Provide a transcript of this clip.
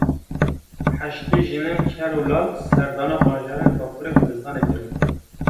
Heştê jinên ker û lal serdana bajarên Bakurê Kurdistanê kirin.